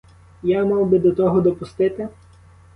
І я мав би до того допустити?